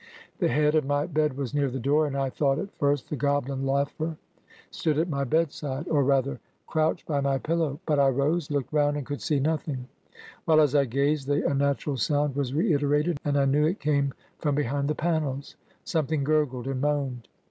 The head of my bed was near the door, and I thought at first the goblin laugher stood at my bedside — or, rather, crouched by my pillow; but I rose, looked rotmd, and could see nothing; while, as I gazed, the unnatural sotmd was reiterated, and I knew it came from behind the panels. ... Something gurgled and moaned.